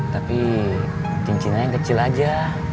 tapi cincinnya yang kecil aja